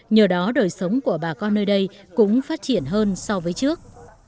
nhờ đó đời sống của bà con nơi đây cũng phát triển hơn so với trước